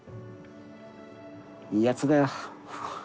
いいやつだよ。